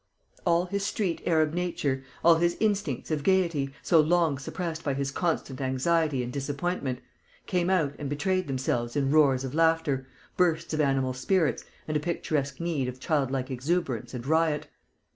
All his street arab nature, all his instincts of gaiety, so long suppressed by his constant anxiety and disappointment, came out and betrayed themselves in roars of laughter, bursts of animal spirits and a picturesque need of childlike exuberance and riot.